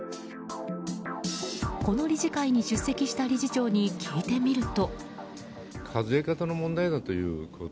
この理事会に出席した理事長に聞いてみると。